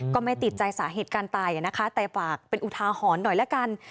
ก็ไม่ติดใจสาเหตุการณ์ตายนะคะแต่ฝากเป็นอุทาหรณ์หน่อยละกัน